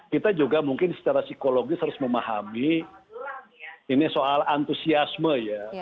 kita juga mungkin secara psikologis harus memahami ini soal antusiasme ya